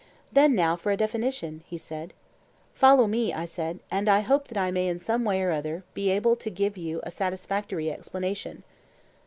Then now for a definition, he said. Follow me, I said, and I hope that I may in some way or other be able to give you a satisfactory explanation.